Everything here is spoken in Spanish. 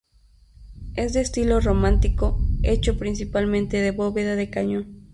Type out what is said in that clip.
Es de estilo romántico, hecho principalmente de bóveda de cañón.